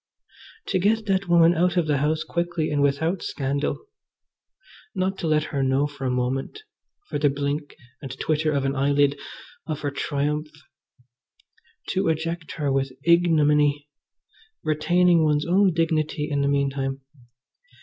To get that woman out of the house quickly and without scandal. Not to let her know for a moment, for the blink and twitter of an eyelid, of her triumph. To eject her with ignominy, retaining one's own dignity in the meantime.